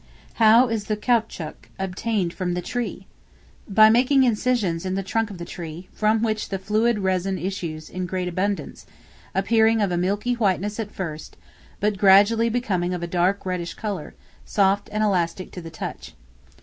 How is the Caoutchouc obtained from the Tree? By making incisions in the trunk of the tree, from which the fluid resin issues in great abundance, appearing of a milky whiteness at first, but gradually becoming of a dark reddish color, soft and elastic to the touch.